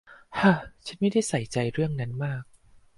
เฮ้อ ฉันไม่ใส่ใจเรื่องนั้นมาก